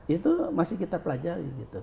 itu masih kita pelajari